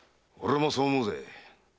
俺もそう思うぜ。